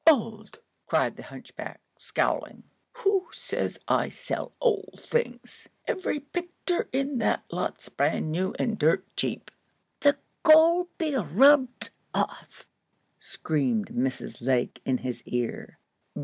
"Old!" cried the hunchback, scowling; "who says I sell old things? Every picter in that lot's brand new and dirt cheap." "The gold be rubbed off," screamed Mrs. Lake in his ear.